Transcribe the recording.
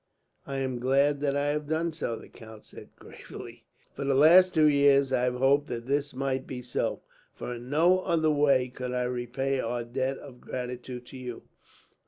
"I am glad that I have done so," the count said, gravely. "For the last two years I have hoped that this might be so, for in no other way could I repay our debt of gratitude to you.